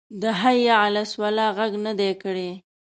د حی علی الصلواه غږ نه دی کړی.